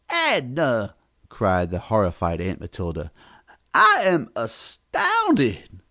"Adnah!" cried the horrified Aunt Matilda. "I am astounded!"